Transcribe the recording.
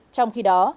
trong khi đó